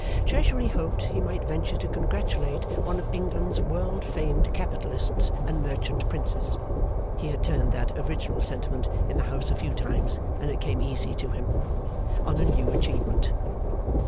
Treasury hoped he might venture to congratulate one of England's world famed capitalists and merchant princes (he had turned that original sentiment in the house a few times, and it came easy to him) on a new achievement.